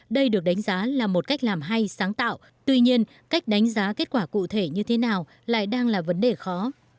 đây được đánh giá là một cách làm hay sáng tạo tuy nhiên cách đánh giá kết quả cụ thể như thế nào lại đang là vấn đề khó